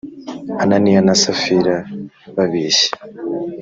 Ananiya na Safira babeshya